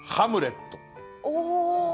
お！